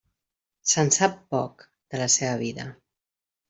Se'n sap poc, de la seva vida.